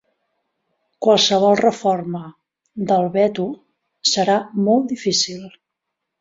Qualsevol reforma del veto serà molt difícil.